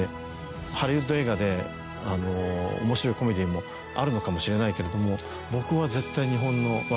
ハリウッド映画で面白いコメディもあるのかもしれないけれども僕は絶対。